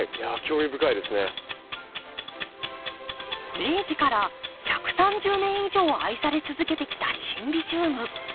明治から１３０年以上愛され続けてきたシンビジウム。